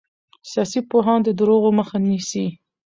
سیاسي پوهاوی د دروغو مخه نیسي